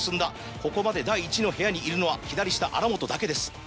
ここまで第１の部屋にいるのは左下荒本だけです。